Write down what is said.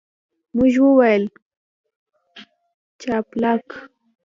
موږ وویل، جاپلاک.